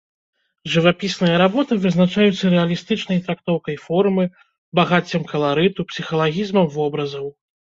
Жывапісныя работы вызначаюцца рэалістычнай трактоўкай формы, багаццем каларыту, псіхалагізмам вобразаў.